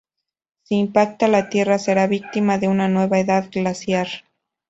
Si impacta, la tierra será víctima de una nueva edad glaciar.